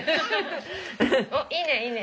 おっいいねいいね！